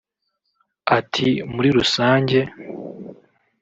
Ati” Muri rusange